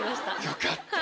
よかった！